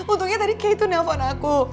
untungnya tadi kay tuh telepon aku